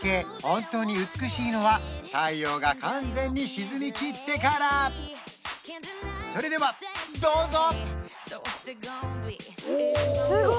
本当に美しいのは太陽が完全に沈みきってからおお！